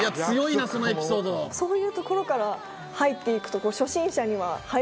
そういうところから入って行くと。